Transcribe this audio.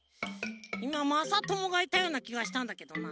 いままさともがいたようなきがしたんだけどな。